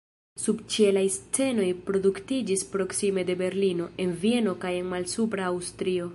Subĉielaj scenoj produktiĝis proksime de Berlino, en Vieno kaj en Malsupra Aŭstrio.